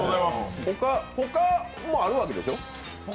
他もあるわけでしょ？